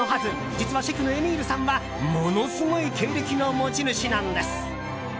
実はシェフのエミールさんはものすごい経歴の持ち主なんです。